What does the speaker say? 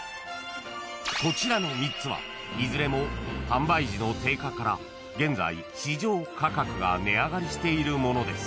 ［こちらの３つはいずれも販売時の定価から現在市場価格が値上がりしているものです］